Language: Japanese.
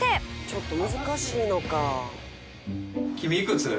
「ちょっと難しいのか」